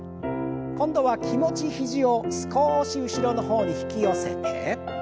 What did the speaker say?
今度は気持ち肘を少し後ろの方に引き寄せて。